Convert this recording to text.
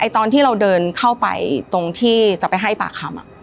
ตอนที่เราเดินเข้าไปตรงที่จะไปให้ปากคำ